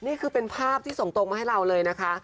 นี่คือเป็นภาพที่ส่งตรงมาให้เราเลยนะคะ